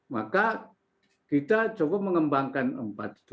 maka kita coba mengembangkan empat itu